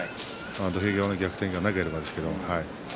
土俵際の逆転がなければですけども。